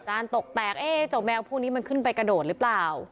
ตกแตกเอ๊ะเจ้าแมวพวกนี้มันขึ้นไปกระโดดหรือเปล่า